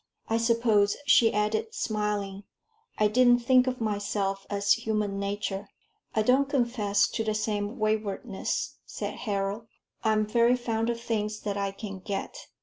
I suppose," she added, smiling, "I didn't think of myself as human nature." "I don't confess to the same waywardness," said Harold. "I am very fond of things that I can get.